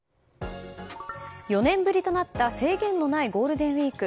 ４年ぶりとなった制限のないゴールデンウィーク。